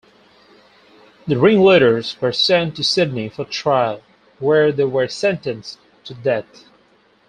The ringleaders were sent to Sydney for trial, where they were sentenced to death.